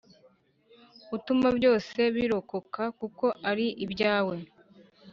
Utuma byose birokoka kuko ari ibyawe,